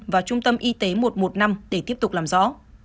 và trung tâm y tế một trăm một mươi năm để tiếp tục làm rõ